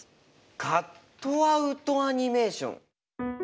カットアウトアニメーション？